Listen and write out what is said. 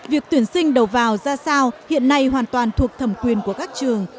việc tuyển sinh đầu vào ra sao hiện nay hoàn toàn thuộc thẩm quyền của các trường